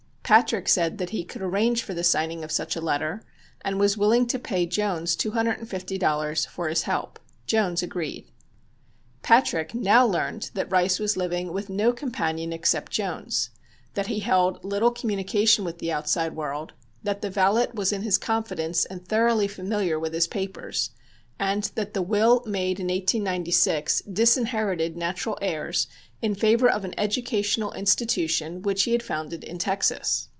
Patrick said that he could arrange for the signing of such a letter and was willing to pay Jones $250 for his help. Jones agreed. Patrick now learned that Mr. Rice was living with no companion except Jones; that he held little communication with the outside world; that the valet was in his confidence and thoroughly familiar with his papers, and that the will made in 1896 disinherited natural heirs in favor of an educational institution which he had founded in Texas.